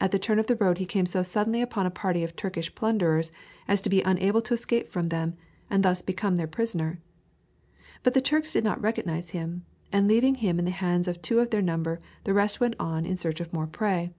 At a turn of the road he came so suddenly upon a party of Turkish plunderers as to be unable to escape from them, and thus became their prisoner. But the Turks did not recognize him, and leaving him in the hands of two of their number the rest went on in search of more prey.